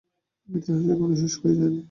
ইতিহাস এখনো শেষ হয়ে যায় নি।